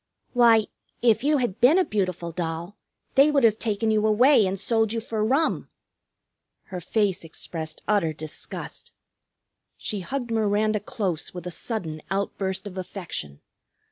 "Why, if you had been a beautiful doll they would have taken you away and sold you for rum." Her face expressed utter disgust. She hugged Miranda close with a sudden outburst of affection.